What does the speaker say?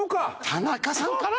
田中さんから？